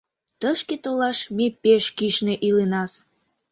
Тышке толаш ме пеш кӱшнӧ иленас.